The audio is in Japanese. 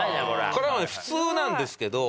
これはね普通なんですけど。